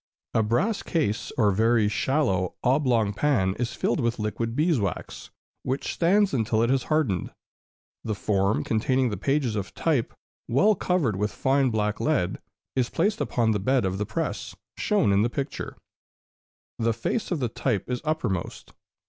A brass case, or very shallow, oblong pan is filled with liquid beeswax, which stands until it has hardened. The form containing the pages of type, well covered with fine black lead, is placed upon the bed of the press, shown in the picture; the face of the type is uppermost.